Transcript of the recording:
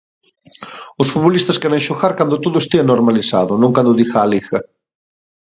Os futbolistas queren xogar cando todo estea normalizado, non cando diga a Liga.